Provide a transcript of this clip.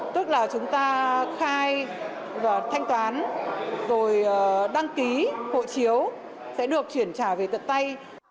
tức là chúng ta khai và thanh toán rồi đăng ký hộ chiếu sẽ được chuyển trả về tận tay